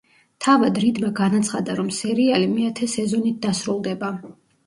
თავად რიდმა განაცხადა, რომ სერიალი მეათე სეზონით დასრულდება.